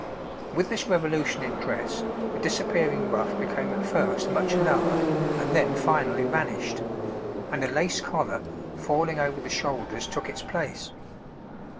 With this revolution in dress the disappearing ruff became at first much lower and then finally vanished, and a lace collar, falling over the shoulders, took its place.